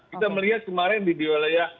kita melihat kemarin di wilayah